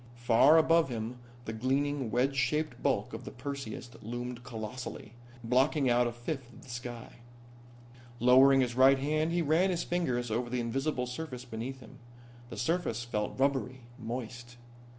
Far above him the gleaming, wedge shaped bulk of the Perseus loomed colossally, blocking out a fifth of the sky. Lowering his right hand he ran his fingers over the invisible surface beneath him. The surface felt rubbery, moist.